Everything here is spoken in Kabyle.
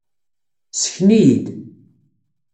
Ssken-iyi-d.